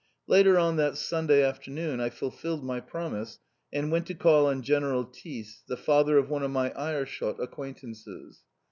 Later, on that Sunday afternoon, I fulfilled my promise and went to call on General Thys, the father of one of my Aerschot acquaintances.